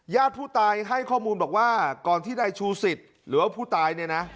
ญาติผู้ตายให้ข้อมูลบอกว่าก่อนที่นายชูศิษย์หรือว่าผู้ตายเนี่ยนะ